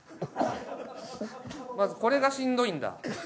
まずこれがしんどいんだ。